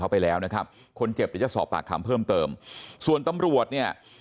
เขาไปแล้วนะครับคนเจ็บเดี๋ยวจะสอบปากคำเพิ่มเติมส่วนตำรวจเนี่ย